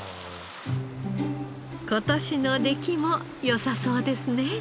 今年の出来も良さそうですね。